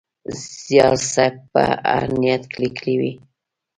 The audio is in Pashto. زیار صېب په هر نیت لیکلی وي.